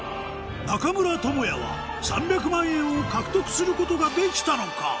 中村倫也は３００万円を獲得することができたのか？